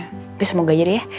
tapi semoga jadi ya